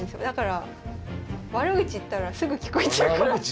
だから悪口言ったらすぐ聞こえちゃうから。